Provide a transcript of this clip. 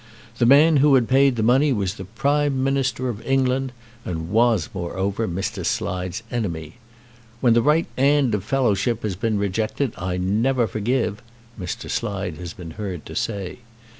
The man who had paid the money was the Prime Minister of England, and was, moreover, Mr. Slide's enemy! "When the right 'and of fellowship has been rejected, I never forgive," Mr. Slide has been heard to say.